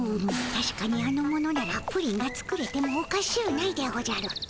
たしかにあの者ならプリンが作れてもおかしゅうないでおじゃる。